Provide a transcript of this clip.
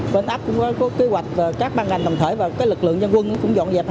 bên ấp cũng có kế hoạch các ban ngành tầm thể và lực lượng nhân quân cũng dọn dẹp